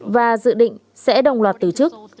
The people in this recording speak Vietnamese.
và dự định sẽ đồng loạt từ chức